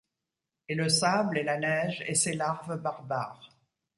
Et le sable et la neige, et ces larves barbares